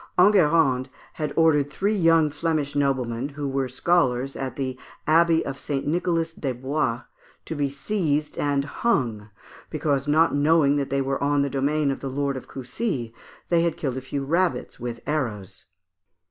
Enguerrand had ordered three young Flemish noblemen, who were scholars at the Abbey of "St. Nicholas des Bois," to be seized and hung, because, not knowing that they were on the domain of the Lord of Coucy, they had killed a few rabbits with arrows.